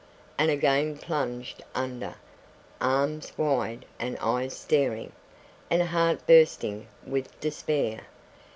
and again plunged under, arms wide and eyes staring, and heart bursting with despair.